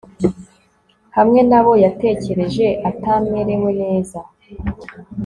hamwe na bo, yatekereje atamerewe neza